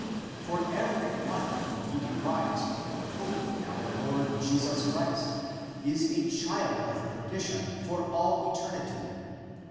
For every one whom he deprives of the hope in our Lord Jesus Christ is a child of perdition for all eter nity.